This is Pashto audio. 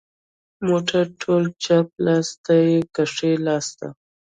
د موټر توله چپ لاس ته ده که ښي لاس ته